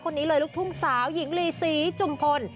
คนนี้เลยลูกทุ่งสาวหญิงลีศรีจุมพล